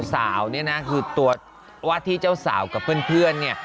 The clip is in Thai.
สาวเนี่ยนะคือตัววาดที่เจ้าสาวกับเพื่อนเนี่ย